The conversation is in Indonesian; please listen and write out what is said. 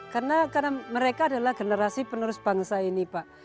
karena mereka adalah generasi penerus bangsa ini pak